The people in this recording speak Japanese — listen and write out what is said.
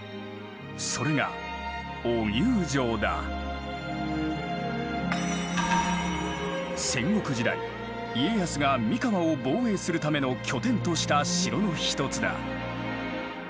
それが戦国時代家康が三河を防衛するための拠点とした城の一つだ。